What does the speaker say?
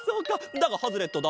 だがハズレットだ！